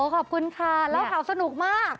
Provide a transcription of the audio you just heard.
ขอบคุณค่ะเล่าข่าวสนุกมาก